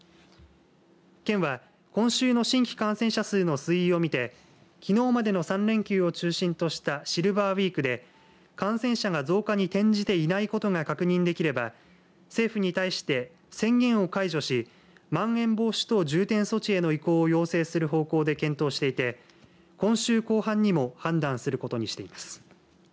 県は今週の新規感染者数の推移を見てきのうまでの３連休を中心としたシルバーウィークで感染者が増加に転じていないことが確認できれば政府に対して宣言を解除しまん延防止等重点措置への移行を要請する方向で検討していて今週後半にも判断することにしています。